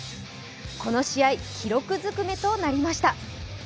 この試合、記録ずくめとなりました